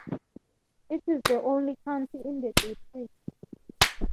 It is the only county in the district.